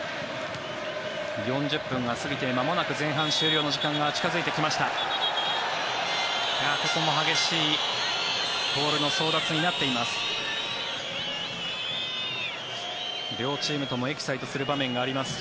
４０分が過ぎてまもなく前半終了の時間が近付いてまいりました。